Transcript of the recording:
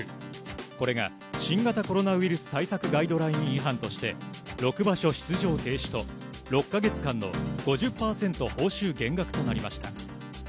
これが新型コロナウイルス対策ガイドライン違反として６場所出場停止と、６か月間の５０％報酬減額となりました。